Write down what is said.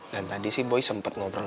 dan tadi si boy sempet ngobrol